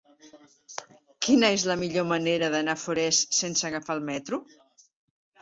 Quina és la millor manera d'anar a Forès sense agafar el metro?